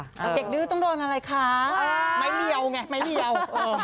เด็กดื้อต้องดอเงินอะไรคะไม้เลี่ยวไงไม้เลี่ยว